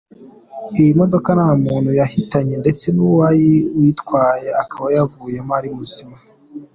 Iyi modoka nta muntu yahitanye ndetse n’uwayi uyitwaye akaba yavuyemo ari muzima.